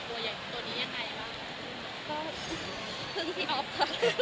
สวัสดีค่ะ